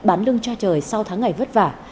bán lưng cho trời sau tháng ngày vất vả